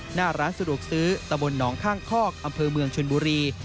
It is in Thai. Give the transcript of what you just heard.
หน้าร้านสะดวกซื้อตะบนหนองข้างคอกอำเภอเมืองชนบุรี